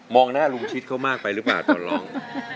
หน้าลุงชิดเขามากไปหรือเปล่าตอนร้อง